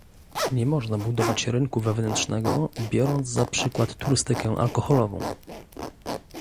Nie można budować rynku wewnętrznego biorąc za przykład turystykę alkoholową